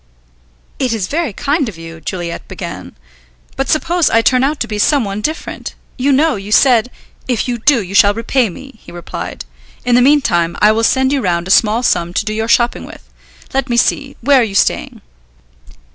"It is very kind of you," Juliet began. "But suppose I turn out to be some one different. You know, you said " "If you do, you shall repay me," he replied. "In the meantime I will send you round a small sum to do your shopping with. Let me see, where are you staying?"